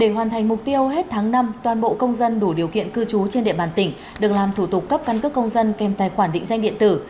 để hoàn thành mục tiêu hết tháng năm toàn bộ công dân đủ điều kiện cư trú trên địa bàn tỉnh được làm thủ tục cấp căn cước công dân kèm tài khoản định danh điện tử